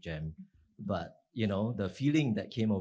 tapi perasaan yang terjadi pada saya